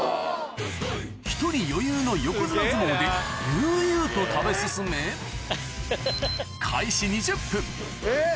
１人余裕の横綱相撲で悠々と食べ進めえっ！